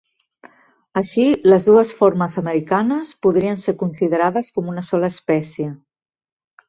Així, les dues formes americanes podrien ser considerades com una sola espècie.